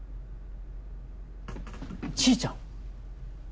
ちーちゃん！？